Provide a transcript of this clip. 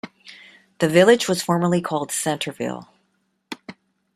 The village was formerly called Centreville.